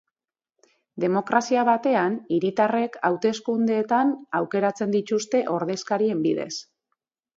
Demokrazia batean, hiritarrek hauteskundeetan aukeratzen dituzte ordezkarien bidez.